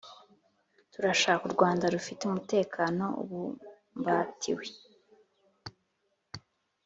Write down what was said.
turashaka u rwanda rufite umutekano ubumbatiwe